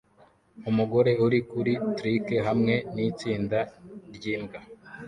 Umugore uri kuri trike hamwe nitsinda ryimbwa